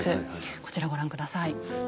こちらご覧下さい。